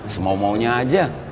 semau maunya aja